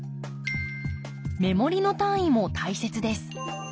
目盛りの単位も大切です。